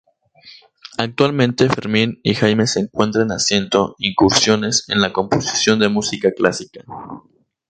Actualmente Fermín y Jaime se encuentran haciendo incursiones en la composición de música clásica.